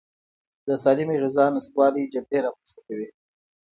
د سالمې غذا نشتوالی جګړې رامنځته کوي.